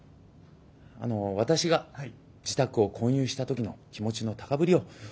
あの私が自宅を購入した時の気持ちの高ぶりを。